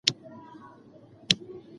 کورنۍ ښوونه په انټرنیټ پیاوړې کیږي.